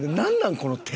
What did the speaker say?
この手。